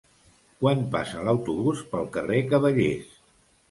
Quan passa l'autobús pel carrer Cavallers?